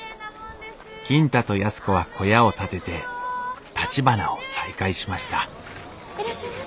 金太と安子は小屋を建ててたちばなを再開しましたいらっしゃいませ。